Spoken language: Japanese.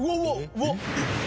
うわっ！